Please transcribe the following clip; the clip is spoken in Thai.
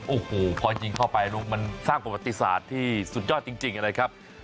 โอ้โหพอยิงเข้าไปลูกมันสร้างประวัติศาสตร์ที่สุดยอดจริงนะครับ